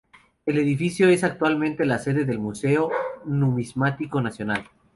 El edificio es actualmente la sede del Museo Numismático Nacional.